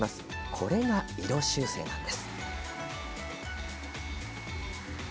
これが色修正なんです。